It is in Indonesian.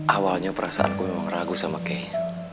awalnya perasaanku memang ragu sama kayak